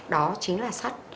đó chính là sắt